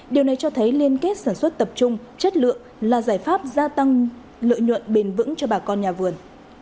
điều này cho thấy liên kết sản xuất tập trung chất lượng là giải pháp gia tăng lợi nhuận bền vững cho bà con nhà vườn